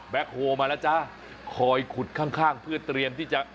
โฮมาแล้วจ้าคอยขุดข้างข้างเพื่อเตรียมที่จะ